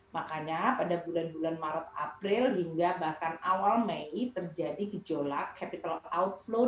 makanya pada bulan bulan maret april hingga bahkan awal mei terjadi gejolak capital outflow